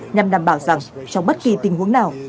nhằm đảm bảo rằng trong bất kỳ tình huống nào